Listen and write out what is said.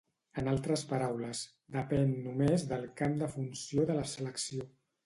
En altres paraules, depèn només del camp de funció de la selecció.